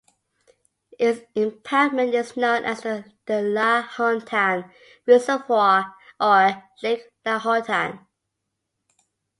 Its impoundment is known as the Lahontan Reservoir or Lake Lahontan.